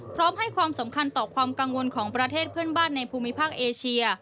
พร้อมให้ความสำคัญต่อความกังวลของประเทศเพื่อนบ้านในภูมิภาคเอเชีย